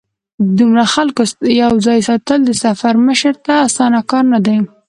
د دومره خلکو یو ځای ساتل د سفر مشر ته اسانه کار نه دی.